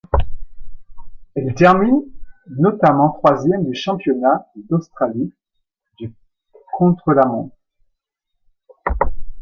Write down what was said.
Elle termine notamment troisième du championnat d'Australie du contre-la-montre.